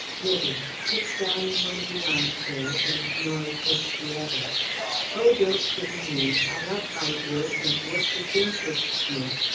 Vivie (sits down in one of the arm chairs and Norie takes the other): "Oh don't pity me. I love hard work and work which interests me.